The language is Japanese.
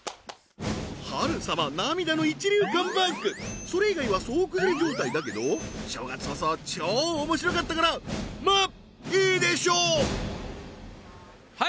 波瑠様涙の一流カムバックそれ以外は総崩れ状態だけど正月早々超面白かったからまあいいでしょうはい